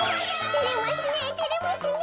てれますねてれますね。